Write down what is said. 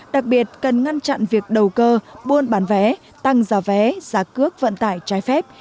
đặc biệt cần ngăn chặn việc đầu cơ buôn bán vé tăng giá vé giá cước vận tải trái phép